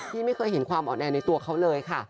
ไม่เคยเห็นความอ่อนแอในตัวเขาเลยค่ะ